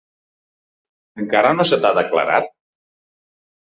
Encara no se t'ha declarat?